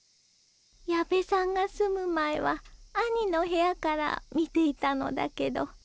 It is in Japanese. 矢部さんが住む前は兄の部屋から見ていたのだけど。